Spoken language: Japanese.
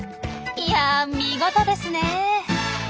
いや見事ですね！